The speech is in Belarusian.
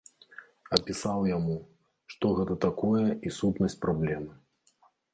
Апісаў яму, што гэта такое і сутнасць праблемы.